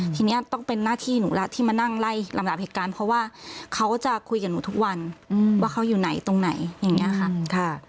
ทีนี้ต้องเป็นหน้าที่หนูละที่มานั่งไล่ลำดับเหตุการณ์เพราะว่าเขาจะคุยกับหนูทุกวันว่าเขาอยู่ไหนตรงไหนอย่างนี้ค่ะ